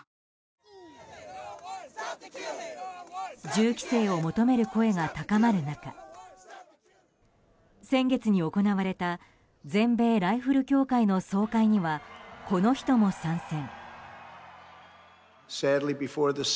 銃規制を求める声が高まる中先月に行われた全米ライフル協会の総会にはこの人も参戦。